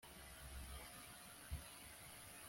kahlil gibran